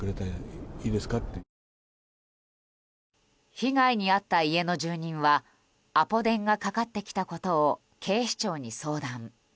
被害に遭った家の住人はアポ電がかかってきたことを警視庁に相談。